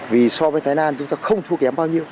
vì so với thái lan chúng ta không thua kém bao nhiêu